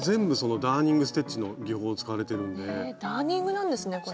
ダーニングなんですねこれ。